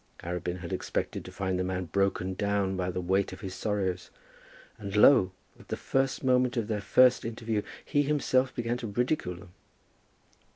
Arabin had expected to find the man broken down by the weight of his sorrows, and lo! at the first moment of their first interview he himself began to ridicule them!